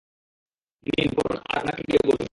নিন, পড়ুন আর উনাকে গিয়ে বলুন।